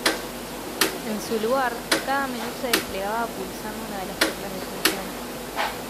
En su lugar, cada menú se desplegaba pulsando una de las teclas de función.